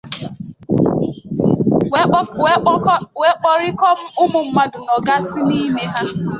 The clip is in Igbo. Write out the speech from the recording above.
wee kpọrìkọọ ụmụ mmadụ nọgasị n'ime ha.